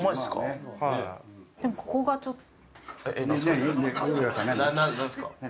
なんかここがちょっと。